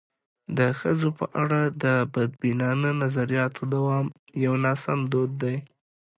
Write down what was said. د ښځو په اړه د بدبینانه نظریاتو دوام یو ناسم دود دی.